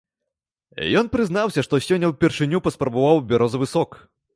Ён прызнаўся, што сёння ўпершыню паспрабаваў бярозавы сок.